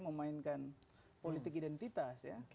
memainkan politik identitas ya